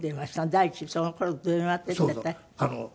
第一その頃電話っていったって。